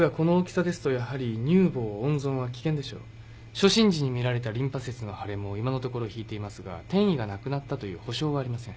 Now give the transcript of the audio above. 初診時に見られたリンパ節の腫れも今のところひいていますが転移がなくなったという保証はありません。